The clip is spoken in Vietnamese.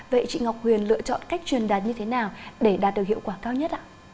vậy chị ngọc huyền lựa chọn cách truyền đạt như thế nào để đạt được hiệu quả cao nhất ạ